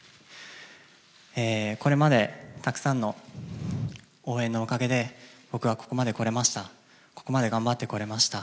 これまでたくさんの応援のおかげで僕は、ここまでこれました。